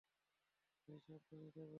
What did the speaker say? তাই সাবধানে থেকো!